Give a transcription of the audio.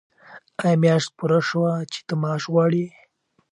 آیا میاشت پوره شوه چې ته معاش غواړې؟